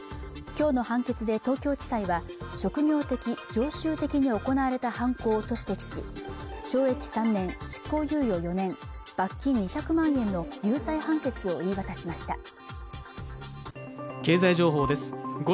きょうの判決で東京地裁は職業的常習的に行われた犯行と指摘し懲役３年執行猶予４年罰金２００万円の有罪判決を言い渡しました